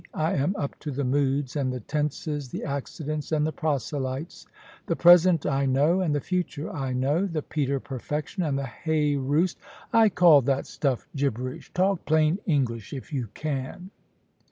I am up to the moods and the tenses, the accidents and the proselytes. The present I know, and the future I know; the Peter perfection, and the hay roost " "I call that stuff gibberish. Talk plain English if you can."